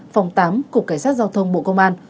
phòng tám cục cảnh sát giao thông bộ công an